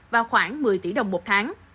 và khoảng một mươi tỷ đồng một tháng